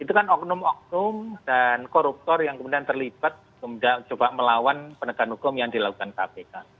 itu kan oknum oknum dan koruptor yang kemudian terlibat kemudian coba melawan penegakan hukum yang dilakukan kpk